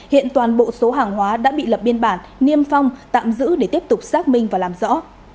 hiện toàn bộ số hàng hóa đã bị lập biên bản niêm phong tạm giữ để tiếp tục xác minh và làm rõ